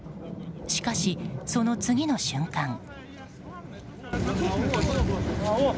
しかしその次の瞬間。